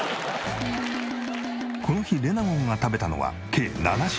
この日レナゴンが食べたのは計７品。